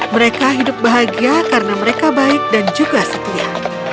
mereka hidup bahagia karena mereka baik dan juga setia